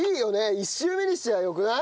１周目にしてはよくない？